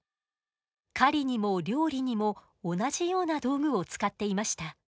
狩りにも料理にも同じような道具を使っていました。